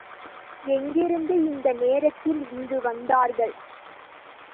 எங்கிருந்து இந்த நேரத்தில் இங்கு வந்தார்கள்?